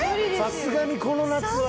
さすがにこの夏は。